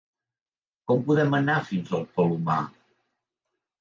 Com podem anar fins al Palomar?